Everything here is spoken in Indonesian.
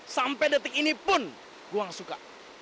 sampai detik ini pun gue gak suka